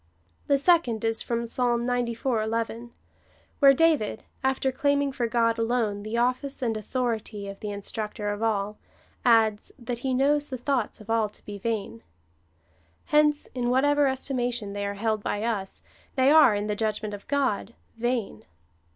The second is from Psalm xciv. 11, where David, after claiming for God alone the office and authority of the In structor of all, adds, that He knows the thoughts of all to be vain. Hence, in whatever estimation they are held by us, they are, in the judgment of God, vain.